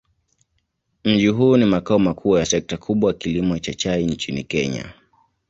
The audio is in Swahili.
Mji huu ni makao makuu ya sekta kubwa ya kilimo cha chai nchini Kenya.